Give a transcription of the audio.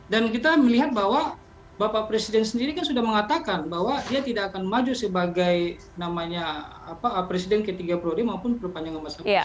dan kita melihat bahwa bapak presiden sendiri kan sudah mengatakan bahwa dia tidak akan maju sebagai namanya presiden ke tiga puluh d maupun perpanjangan masa ke lima belas